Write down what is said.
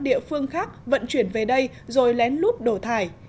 địa phương khác vận chuyển về đây rồi lén lút đổ thải